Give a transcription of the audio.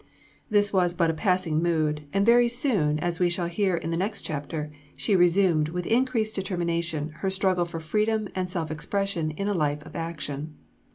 This was but a passing mood; and very soon, as we shall hear in the next chapter, she resumed, with increased determination, her struggle for freedom and self expression in a life of action.